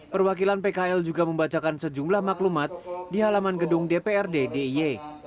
perwakilan pkl juga membacakan sejumlah maklumat di halaman gedung dprd diy